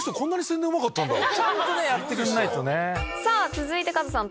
続いてカズさん。